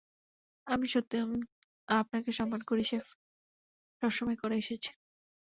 আমি সত্যিই, উম, আপনাকে সম্মান করি, শেফ, সবসময় করে এসেছি।